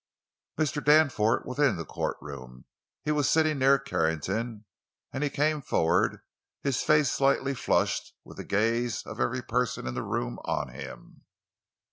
Mr. Danforth was in the courtroom; he was sitting near Carrington; and he came forward, his face slightly flushed, with the gaze of every person in the room on him.